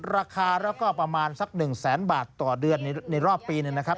ราคาแล้วก็ประมาณสัก๑แสนบาทต่อเดือนในรอบปีหนึ่งนะครับ